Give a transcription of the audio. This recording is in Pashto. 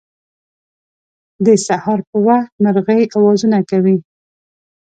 د سهار په وخت مرغۍ اوازونه کوی